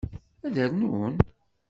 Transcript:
Ad rnun?